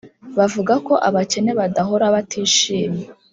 bavuga ko abakene badahora batishimye.